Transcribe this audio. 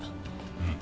うん。